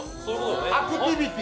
アクティビティ！